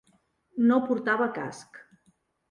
No portava casc.